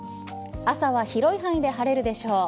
朝は広い範囲で晴れるでしょう。